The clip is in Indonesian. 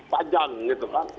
pajang gitu kan